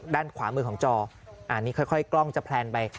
ด้านขวามือของจออันนี้ค่อยกล้องจะแพลนไป